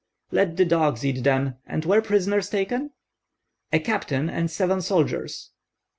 "Let the dogs eat them. And were prisoners taken?" "A captain, and seven soldiers."